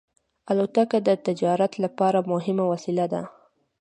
الوتکه د تجارت لپاره مهمه وسیله ده.